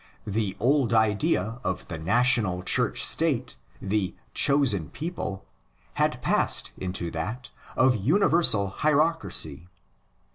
The old idea of the national Church State, the '' chosen people,' had passed into that of universal hierocracy.